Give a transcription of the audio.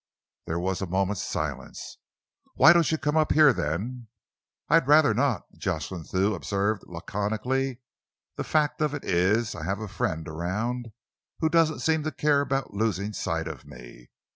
There was a moment's silence. "Why don't you come up here, then?" "I'd rather not," Jocelyn Thew observed laconically. "The fact of it is, I have a friend around who doesn't seem to care about losing sight of me.